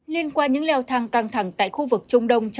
liên quan những leo thang căng thẳng tại khu vực trung đông